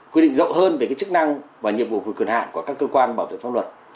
quy định rộng hơn về cái chức năng và nhiệm vụ của cường hạn của các cơ quan bảo vệ pháp luật